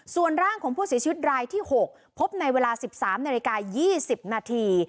ส่วนร่างของผู้เสียชีวิตรายที่๖พบในเวลา๑๓นาฬิกา๒๐นาที